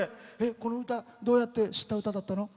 この歌、どうやって知った歌だったの？